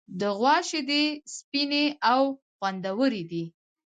د غوا شیدې سپینې او خوندورې دي.